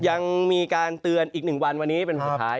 ยังมีการเตือนอีก๑วันวันนี้เป็นวันสุดท้าย